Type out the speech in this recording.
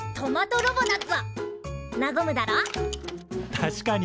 確かに。